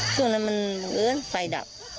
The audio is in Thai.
ส่วนนั้นมันเผ้ยไฟดับ